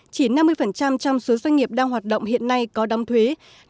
chỉ năm mươi trong số doanh nghiệp đang hoạt động hiện nay có đóng thuế